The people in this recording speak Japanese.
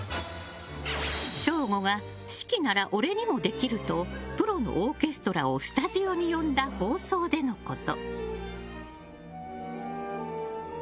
省吾が指揮なら俺にもできるとプロのオーケストラをスタジオに呼んだ放送でのこと。